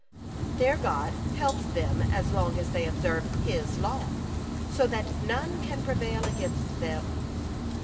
"'Their God helps them as long as they observe His law, so that none can prevail against them.